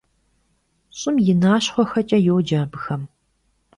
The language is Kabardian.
«Ş'ım yi naşxhuexeç'e» yoce abıxem.